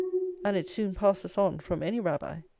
and it soon passes on from any Rabbi.